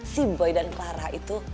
si boy dan clara itu